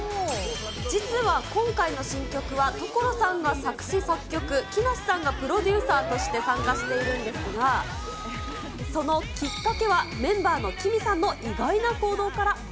実は今回の新曲は所さんが作詞作曲、木梨さんがプロデューサーとして参加しているんですが、そのきっかけは、メンバーのＫＩＭＩさんの意外な行動から。